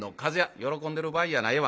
喜んでる場合やないわ。